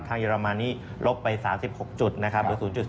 ทางเยอรมานนี่ลบไป๓๖จุดนะครับ